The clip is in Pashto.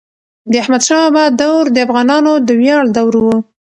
د احمد شاه بابا دور د افغانانو د ویاړ دور و.